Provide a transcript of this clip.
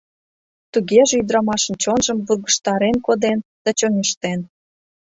Тугеже ӱдырамашын чонжым вургыжтарен коден да чоҥештен...